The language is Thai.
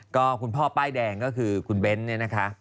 ก็คุณพ่อป้ายแดงก็คือคุณเบ้นเนี่ยนะคะ